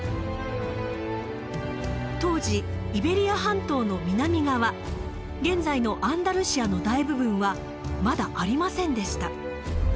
当時イベリア半島の南側現在のアンダルシアの大部分はまだありませんでした。